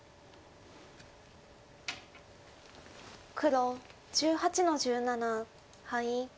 黒１８の十七ハイ。